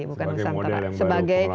sebagai model yang baru